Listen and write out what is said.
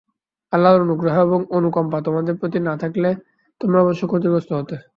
আল্লাহর অনুগ্রহ এবং অনুকম্পা তোমাদের প্রতি না থাকলে তোমরা অবশ্য ক্ষতিগ্রস্ত হতে।